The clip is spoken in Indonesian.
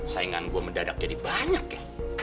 saingan gue mendadak jadi banyak ya